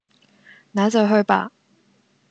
那就去吧！